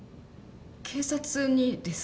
警察にですか？